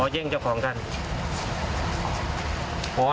แย่งเจ้าของกัน